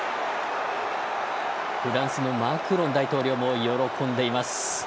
フランスのマクロン大統領も喜んでいます。